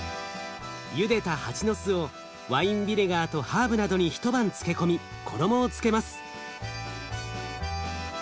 ゆでたハチノスをワインビネガーとハーブなどに一晩漬け込み衣をつけます。